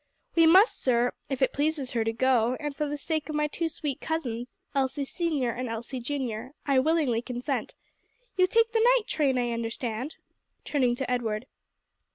"We must, sir, if it pleases her to go, and for the sake of my two sweet cousins Elsie senior and Elsie junior I willingly consent. You take the night train I understand?" turning to Edward.